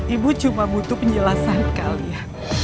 ibu cuma butuh penjelasan kali ya